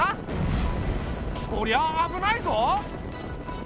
こりゃあ危ないぞ。